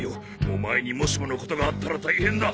オマエにもしものことがあったら大変だ。